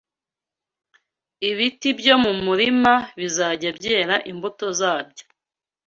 ibiti byo mu murima bizajya byera imbuto zabyo